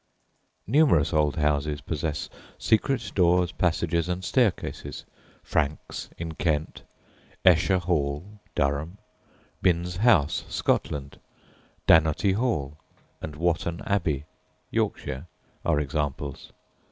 Numerous old houses possess secret doors, passages, and staircases Franks, in Kent; Eshe Hall, Durham; Binns House, Scotland; Dannoty Hall, and Whatton Abbey, Yorkshire; are examples.